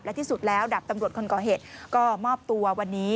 ที่สุดแล้วดับตำรวจคนก่อเหตุก็มอบตัววันนี้